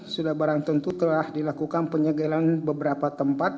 sudah barang tentu telah dilakukan penyegelan beberapa tempat